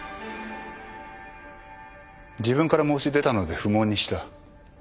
自分から申し出たので不問にした。